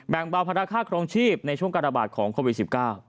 เบาภาระค่าครองชีพในช่วงการระบาดของโควิด๑๙